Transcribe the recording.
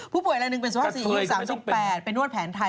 ผู้ป่วยอะไรหนึ่งเป็นศูนย์ศิษย์๓๘ไปนวดแผนไทย